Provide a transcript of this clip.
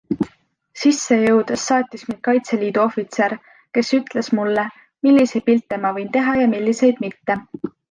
Sisse jõudes saatis mind Kaitseliidu ohvitser, kes ütles mulle, milliseid pilte ma võin teha ja milliseid mitte.